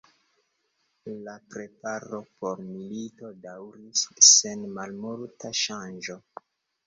La preparo por milito daŭris sen malmulta ŝanĝo.